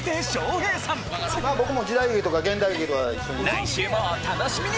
来週もお楽しみに！